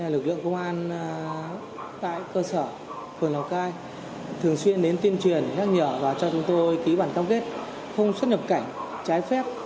lực lượng công an tại cơ sở phường lào cai thường xuyên đến tuyên truyền nhắc nhở và cho chúng tôi ký bản cam kết không xuất nhập cảnh trái phép